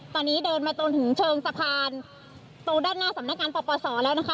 ตอนนี้เดินมาจนถึงเชิงสะพานตรงด้านหน้าสำนักงานปปศแล้วนะคะ